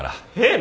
え。